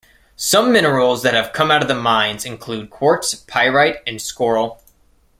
Some minerals that have come out of the mines include quartz, pyrite, and schorl.